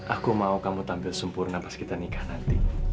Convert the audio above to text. aku mau kamu tampil sempurna pas kita nikah nanti